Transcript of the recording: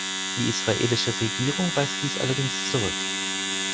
Die israelische Regierung weist dies allerdings zurück.